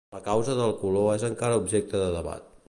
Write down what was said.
La causa del seu color és encara objecte de debat.